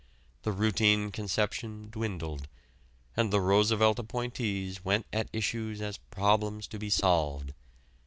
The routine conception dwindled, and the Roosevelt appointees went at issues as problems to be solved.